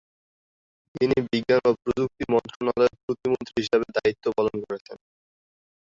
তিনি বিজ্ঞান ও প্রযুক্তি মন্ত্রণালয়ের প্রতিমন্ত্রী হিসেবে দায়িত্ব পালন করেছেন।